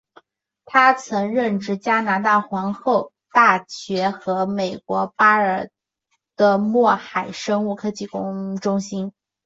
他曾任职加拿大皇后大学和美国巴尔的摩海洋生物科技中心。